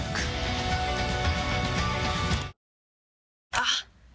あっ！